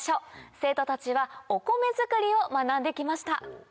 生徒たちはお米づくりを学んできました。